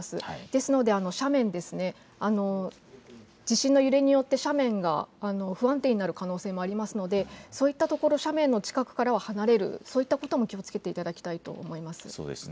ですので地震の揺れによって斜面が不安定になる可能性もありますのでそういったところ、斜面の近くからは離れるといったことも気をつけていただきたいと思います。